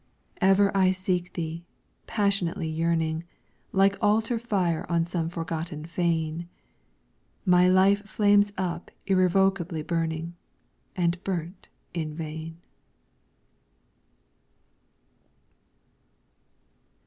Ever I seek Thee, passionately yearning; Like altar fire on some forgotten fane, My life flames up irrevocably burning, And burnt in vain.